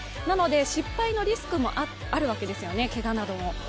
なので失敗のリスクもあるわけですよね、けがなどの。